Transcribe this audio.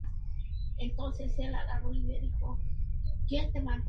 Con esta teoría se pueden calcular todas las vidas medias correspondientes a desintegración alfa.